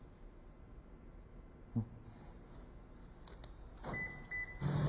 うん。